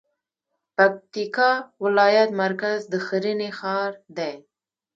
پکتيکا ولايت مرکز د ښرنې ښار دی